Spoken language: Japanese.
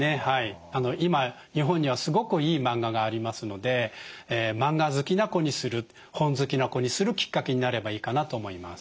今日本にはすごくいいマンガがありますのでマンガ好きな子にする本好きな子にするきっかけになればいいかなと思います。